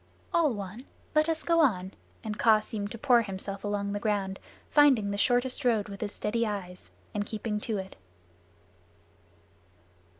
"All one. Let us go on," and Kaa seemed to pour himself along the ground, finding the shortest road with his steady eyes, and keeping to it.